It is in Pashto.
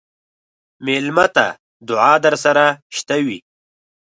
مېلمه ته دعا درسره شته وي.